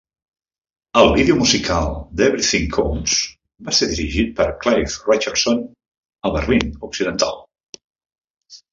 El vídeo musical d'"Everything Counts" va ser dirigit per Clive Richardson en Berlin Occidental.